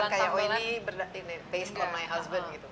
bukan kayak oh ini berdasarkan suami gue gitu